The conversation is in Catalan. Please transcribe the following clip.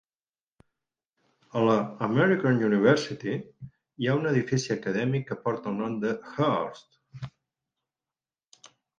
A la American University hi ha un edifici acadèmic que porta el nom de Hurst.